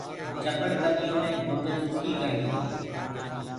چٻڙ ٻنيو مي گُڏ ڏُکي ڪڙدي هي۔